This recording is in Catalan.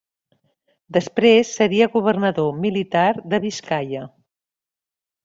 Després seria governador militar de Biscaia.